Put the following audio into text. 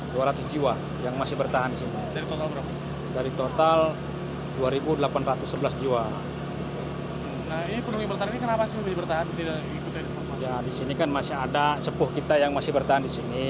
di sini kan masih ada sepuh kita yang masih bertahan di sini